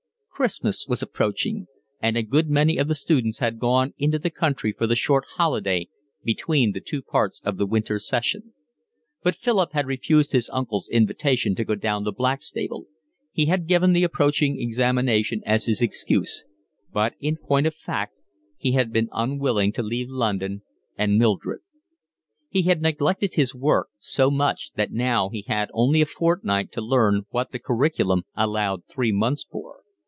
Christmas was approaching, and a good many of the students had gone into the country for the short holiday between the two parts of the winter session; but Philip had refused his uncle's invitation to go down to Blackstable. He had given the approaching examination as his excuse, but in point of fact he had been unwilling to leave London and Mildred. He had neglected his work so much that now he had only a fortnight to learn what the curriculum allowed three months for.